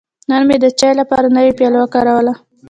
نن مې د چای لپاره نوی پیاله وکاروله.